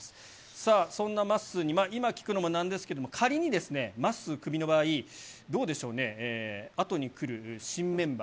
さあ、そんなまっすーに、今、聞くのもなんですけれども、仮にですね、まっすークビの場合、どうでしょうね、後に来る新メンバー。